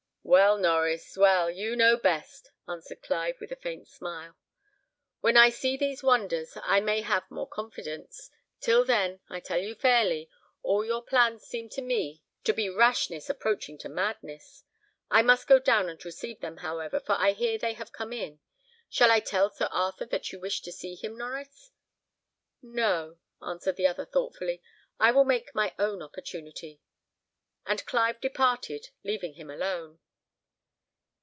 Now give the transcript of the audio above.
"Well, Norries, well, you know best," answered Clive, with a faint smile; "when I see these wonders, I may have more confidence. Till then, I tell you fairly, all your plans seem to me to be rashness approaching to madness. I must go down and receive them, however, for I hear they have come in. Shall I tell Sir Arthur that you wish to see him, Norries?" "No," answered the other, thoughtfully; "I will take my own opportunity." And Clive departed, leaving him alone.